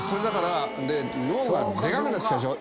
脳でかくなってきたでしょ